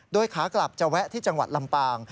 โดยขากลับจะแวะที่จังหวัดลำปาง